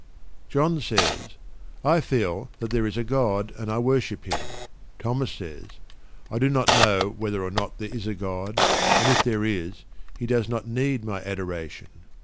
John says: "I feel that there is a God, and I worship Him." Thomas says: "I do not know whether or not there is a God, and if there is, He does not need my adoration.